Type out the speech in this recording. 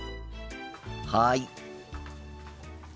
はい。